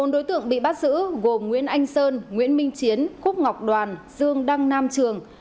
đối tượng bị bắt giữ gồm nguyễn anh sơn nguyễn minh chiến quốc ngọc đoàn dương đăng nam trường